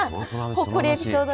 「ほっこりエピソード」。